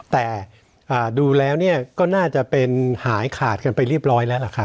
แต่ดูแล้วก็น่าจะเป็นหายขาดกันไปเรียบร้อยแล้วล่ะครับ